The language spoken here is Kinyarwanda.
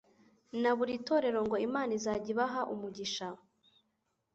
na buri torero ngo: “Imana izajya ibaha umugisha